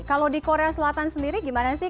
kalau di korea selatan sendiri gimana sih